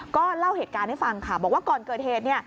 ก็เล่าเหตุการณ์ให้ฟังค่ะบอกว่าก่อนเกิดเหตุ